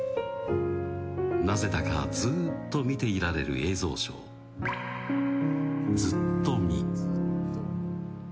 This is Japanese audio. なぜだかずーっと見ていられる映像ショー、ずっとみ。